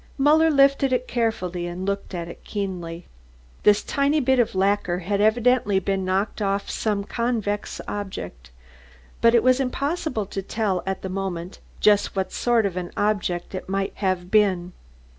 Muller lifted it carefully and looked at it keenly. This tiny bit of lacquer had evidently been knocked off from some convex object, but it was impossible to tell at the moment just what sort of an object it might have been.